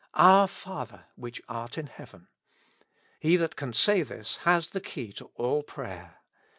"Our Father which art in heaven." He that can say this, has the key to all prayer.